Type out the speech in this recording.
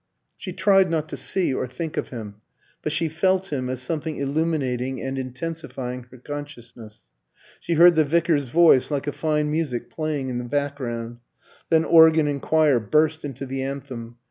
She tried not to see or think of him; but she felt him as something illuminating and intensifying her consciousness. She heard the vicar's voice like a fine music playing in the background. Then organ and choir burst into the anthem.